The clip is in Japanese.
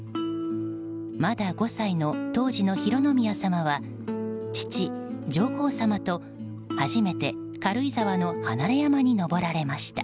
まだ５歳の当時の浩宮さまは父・上皇さまと初めて軽井沢の離山に登られました。